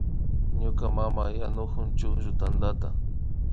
Ñuka mama yanukun chukllu tantata